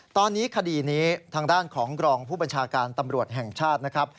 ตอนนี้คดีนี้ทางด้านของกรองผู้บัญชาการตำรวจแห่งชาตินะครับ